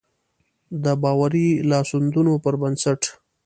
د باوري لاسوندونو پر بنسټ.